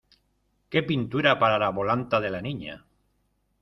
¡ qué pintura para la volanta de la Niña!